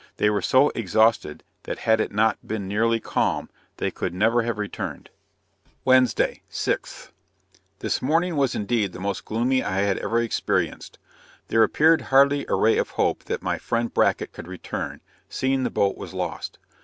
They were so exhausted, that had it not been nearly calm, they could never have returned. Wednesday, 6th. This morning was indeed the most gloomy I had ever experienced. There appeared hardly a ray of hope that my friend Bracket could return, seeing the boat was lost.